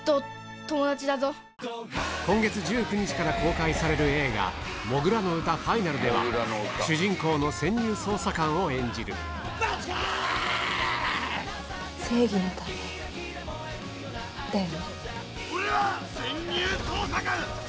今月１９日から公開される映画『土竜の唄ＦＩＮＡＬ』では主人公の潜入捜査官を演じるバッチ来い⁉